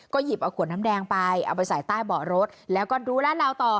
หยิบเอาขวดน้ำแดงไปเอาไปใส่ใต้เบาะรถแล้วก็ดูลาดราวต่อ